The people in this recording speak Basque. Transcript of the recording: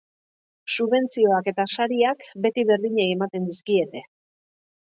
Subentzioak eta sariak beti berdinei ematen dizkiete.